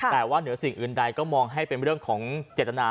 แต่ว่าเหนือสิ่งอื่นใดก็มองให้เป็นเรื่องของเจตนา